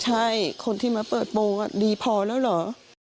ใช่คนที่มาเปิดโปรงดีพอแล้วเหรอ